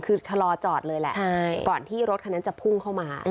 คือชะลอจอดเลยแหละก่อนที่รถคันนั้นจะพุ่งเข้ามา